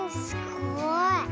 すごい。